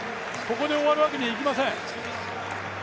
ここで終わるわけにはいきません。